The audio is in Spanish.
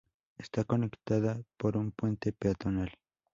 Está conectada por un puente peatonal.